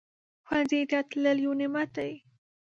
ښوونځی ته تلل یو نعمت دی